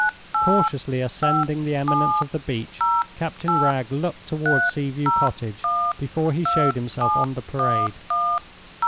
Cautiously ascending the eminence of the beach, Captain Wragge looked toward Sea view Cottage before he showed himself on the Parade.